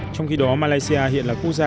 trong khi đó malaysia hiện là quốc gia